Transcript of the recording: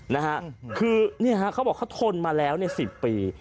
นี่คือเขาบอกเขาทนมาแล้ว๑๐ปี